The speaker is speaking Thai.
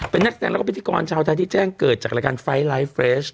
เป็นนักแสดงแล้วก็พิธีกรชาวไทยที่แจ้งเกิดจากรายการไฟล์ไลฟ์เฟรช